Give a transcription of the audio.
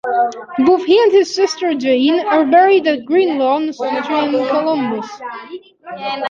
Both he and his sister Jane are buried at Green Lawn Cemetery in Columbus.